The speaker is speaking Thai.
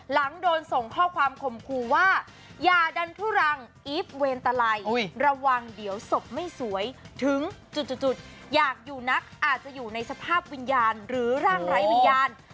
หลังโดนส่งข้อความข่มครูว่าอย่าดันทุรังอีฟเวรตะไลระวังเดี๋ยวศพไม่สวยถึงจุดอยากอยู่นักอาจจะอยู่ในสภาพวิญญาณหรือร่างไร้วิญญาณ